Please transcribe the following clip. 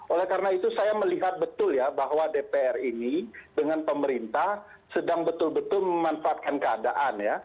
oleh karena itu saya melihat betul ya bahwa dpr ini dengan pemerintah sedang betul betul memanfaatkan keadaan ya